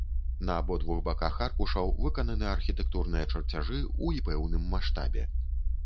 На абодвух баках аркушаў выкананы архітэктурныя чарцяжы ў і пэўным маштабе.